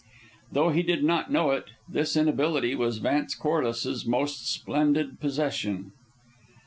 Though he did not know it, this inability was Vance Corliss's most splendid possession.